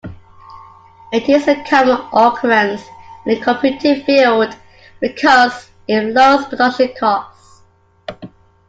It is a common occurrence in the computing field, because it lowers production costs.